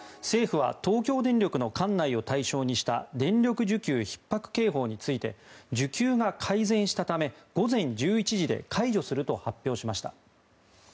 政府は東京電力の管内を対象にした電力需給ひっ迫警報について需給が改善したため午前１１時で解除すると発表しました。